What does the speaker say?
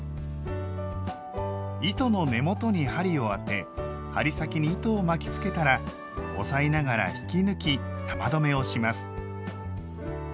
糸の根元に針をあて針先に糸を巻きつけたら押さえながら引き抜き玉留めをします。